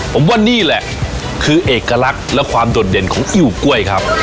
ผมว่านี่แหละคือเอกลักษณ์และความโดดเด่นของอิ้วกล้วยครับ